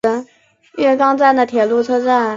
月冈站的铁路车站。